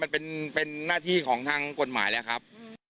ครับก็อันนี้มันเป็นหน้าที่ของทางกฎหมายแล้วครับ